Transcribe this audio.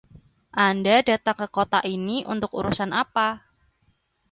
Anda datang ke kota ini untuk urusan apa?